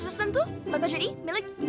rway versatile akan jadi milik you